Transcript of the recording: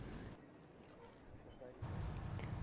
đã bị bắt giữ